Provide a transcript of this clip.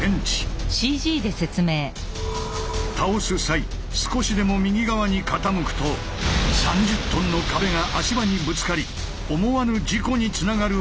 倒す際少しでも右側に傾くと３０ｔの壁が足場にぶつかり思わぬ事故につながるおそれがある。